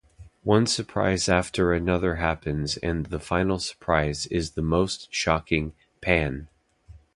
One surprise after another happens and the final surprise is the most shocking Paan!